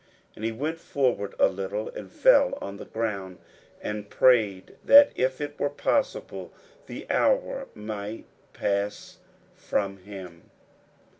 41:014:035 And he went forward a little, and fell on the ground, and prayed that, if it were possible, the hour might pass from him.